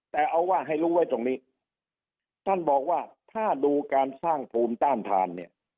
แต่เอาว่าให้รู้ไว้ตรงนี้ท่านบอกว่าถ้าดูการสร้างภูมิต้านทานเนี่ย